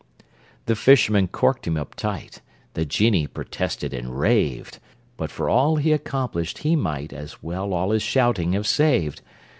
The fisherman corked him up tight: The genie protested and raved, But for all he accomplished, he might As well all his shouting have saved.